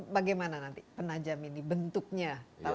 bagaimana nanti penajam ini bentuknya